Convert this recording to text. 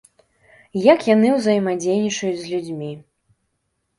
Як яны ўзаемадзейнічаюць з людзьмі!